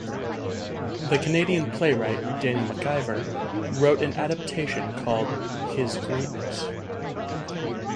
The Canadian playwright Daniel MacIvor wrote an adaptation called "His Greatness".